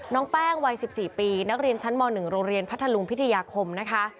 น้องแป้งวัย๑๔ปีนักเรียนชั้นม๑โรงเรียนพัทธลุงพิทยาคมนะคะ